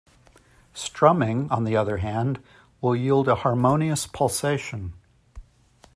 Strumming, on the other hand, will yield a harmonious pulsation.